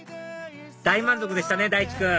大満足でしたね大知君！